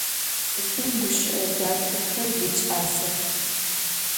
Ts'ıfım guşı'e daxexer yiç'asex.